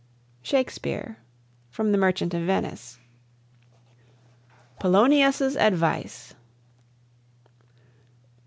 SHAKESPEARE ("Merchant of Venice"). POLONIUS' ADVICE.